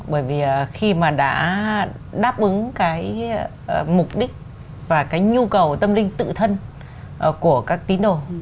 bởi vì khi mà đã đáp ứng cái mục đích và cái nhu cầu tâm linh tự thân của các tín đồ